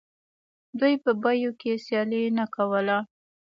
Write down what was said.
دوی په بیو کې سیالي نه کوله